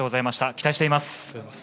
期待しています。